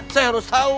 saya harus tau